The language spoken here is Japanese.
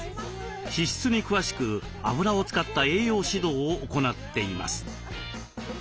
脂質に詳しくあぶらを使った栄養指導を行っています。